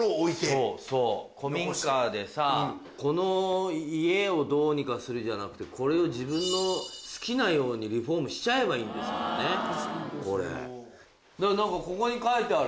そうそう古民家でさこの家をどうにかするじゃなくてこれを自分の好きなようにリフォームしちゃえばいいんですもんね